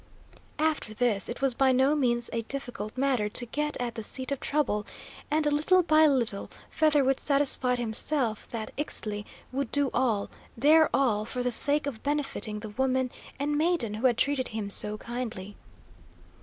After this it was by no means a difficult matter to get at the seat of trouble, and little by little Featherwit satisfied himself that Ixtli would do all, dare all, for the sake of benefiting the woman and maiden who had treated him so kindly.